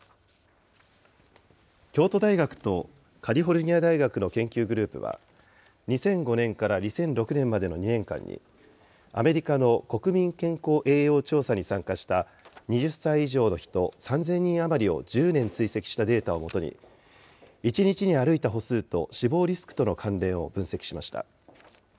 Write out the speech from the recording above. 京都大学とカリフォルニア大学の研究グループは、２００５年から２００６年までの２年間に、アメリカの国民健康栄養調査に参加した２０歳以上の人３０００人余りを１０年追跡したデータを基に、１日に歩いた歩数と死亡リスクとの関連を分析しました。